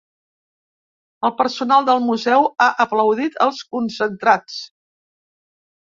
El personal del museu ha aplaudit els concentrats.